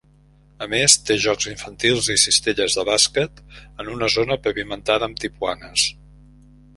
A més té jocs infantils i cistelles de bàsquet en una zona pavimentada amb tipuanes.